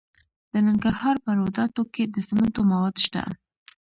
د ننګرهار په روداتو کې د سمنټو مواد شته.